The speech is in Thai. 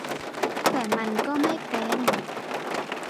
แต่มันก็ไม่เป็น